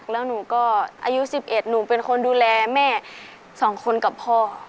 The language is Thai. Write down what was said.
แล้วหนูก็อายุ๑๑หนูเป็นคนดูแลแม่๒คนกับพ่อ